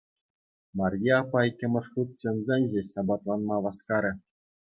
Марье аппа иккӗмӗш хут чӗнсен ҫеҫ апатланма васкарӗ.